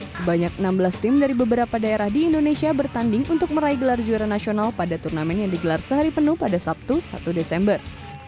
sebanyak enam belas tim dari beberapa daerah di indonesia bertanding untuk meraih gelar juara nasional pada turnamen yang digelar sehari penuh pada sabtu satu desember